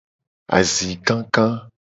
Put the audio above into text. Azi kaka.